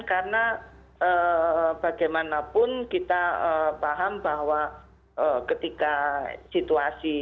karena bagaimanapun kita paham bahwa ketika situasi